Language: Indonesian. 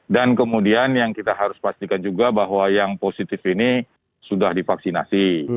dan kemudian yang kita harus pastikan juga bahwa yang positif ini sudah divaksinasi